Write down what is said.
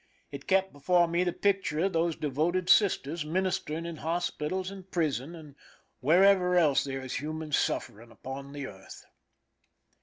It kept before me the picture of these devoted sisters ministering in hospitals and prisons, and wherever else there is human suffering upon the earth.